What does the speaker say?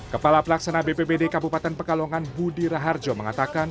kepala pelaksana bpbd kabupaten pekalongan budi raharjo mengatakan